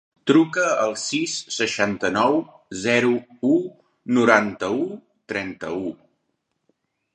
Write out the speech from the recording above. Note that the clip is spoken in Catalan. Truca al sis, seixanta-nou, zero, u, noranta-u, trenta-u.